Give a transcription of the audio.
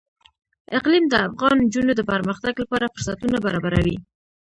اقلیم د افغان نجونو د پرمختګ لپاره فرصتونه برابروي.